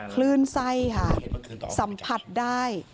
คลื่นไส้ค่ะสัมผัสได้